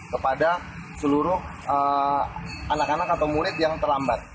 kepada seluruh anak anak atau murid yang terlambat